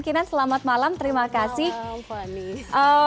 kinan selamat malam terima kasih fani